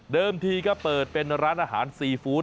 ทีก็เปิดเป็นร้านอาหารซีฟู้ด